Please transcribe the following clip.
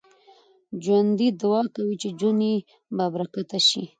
ژوندي دعا کوي چې ژوند يې بابرکته شي